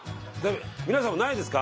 皆さんもないですか？